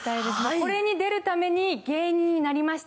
これに出るために芸人になりました